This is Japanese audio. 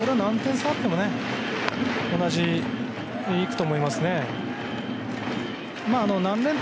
８回、これは何点差あっても同じでいくと思いますね。